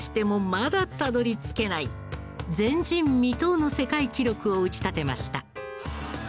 まだたどり着けない前人未到の世界記録を打ち立てました。